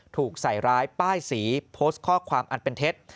ถูกใส่ร้ายป้ายสีโพสต์ข้อความอันเป็นเท็จ